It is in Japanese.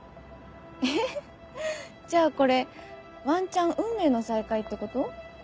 えじゃあこれワンチャン運命の再会ってこと？